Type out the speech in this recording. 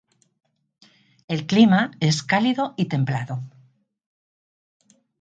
El clima es cálido y templado.